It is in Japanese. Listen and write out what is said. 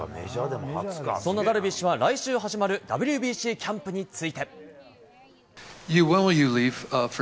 そんなダルビッシュは、来週始まるＷＢＣキャンプについて。